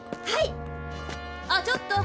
はい？